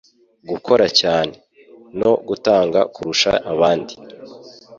gukora cyane, no gutanga kurusha abandi.”